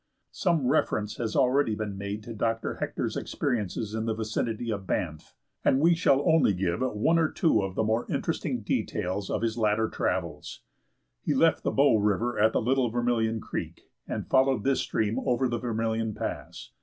Some reference has already been made to Dr. Hector's experiences in the vicinity of Banff, and we shall only give one or two of the more interesting details of his later travels. He left the Bow River at the Little Vermilion Creek, and followed this stream over the Vermilion Pass.